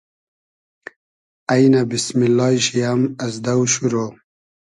اݷنۂ بیسمیللای شی ام از دۆ شورۆ